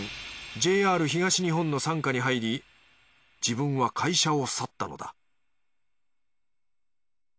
ＪＲ東日本の傘下に入り自分は会社を去ったのだ